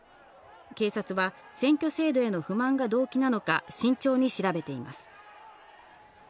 警察は選挙制度への不満が動機なのか慎重に調べています。